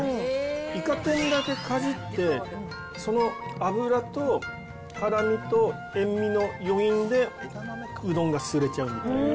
いか天だけかじって、その脂と辛みと塩味の余韻で、うどんがすすれちゃうみたいな。